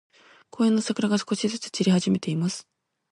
公園の桜が、少しずつ散り始めています。